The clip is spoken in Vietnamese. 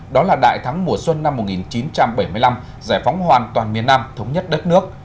đó là đại thắng mùa xuân năm một nghìn chín trăm bảy mươi năm giải phóng hoàn toàn miền nam thống nhất đất nước